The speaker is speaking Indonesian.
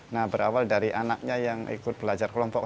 nah berawal dari anaknya yang ikut belajar kelompok